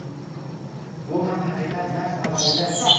Bu ham haqiqat. Dars avvalida